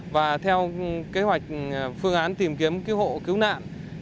và theo kế hoạch phương án tìm kiếm cứu hộ cứu nạn